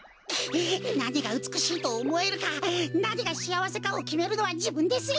なにがうつくしいとおもえるかなにがしあわせかをきめるのはじぶんですよ。